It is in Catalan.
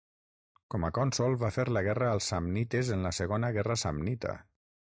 Com a cònsol va fer la guerra als samnites en la Segona Guerra Samnita.